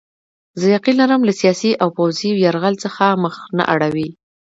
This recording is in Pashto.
زه یقین لرم له سیاسي او پوځي یرغل څخه مخ نه اړوي.